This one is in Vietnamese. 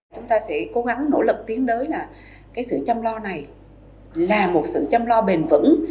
chúng ta sẽ cố gắng nỗ lực tiến đới là sự chăm lo này là một sự chăm lo bền vững